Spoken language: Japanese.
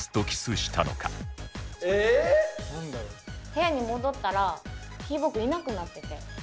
部屋に戻ったらひーぼぉくんいなくなってて。